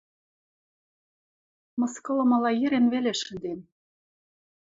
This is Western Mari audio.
Мыскылымыла йӹрен веле шӹнден.